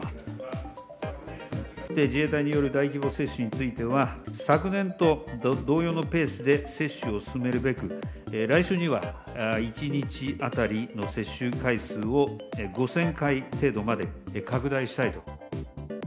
自衛隊による大規模接種については、昨年と同様のペースで接種を進めるべく、来週には１日当たりの接種回数を５０００回程度まで拡大したいと。